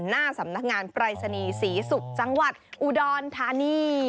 หน้าสำนักงานปรายศนีย์ศรีศุกร์จังหวัดอุดรธานี